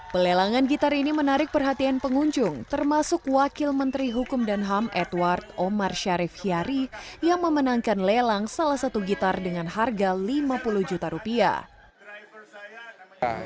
pelelangan gitar ini menarik perhatian pengunjung termasuk wakil menteri hukum dan ham edward omar syarif hiari yang memenangkan lelang salah satu gitar dengan harga lima puluh juta rupiah